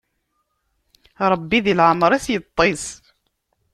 Ṛebbi di leɛmeṛ-is yeṭṭis.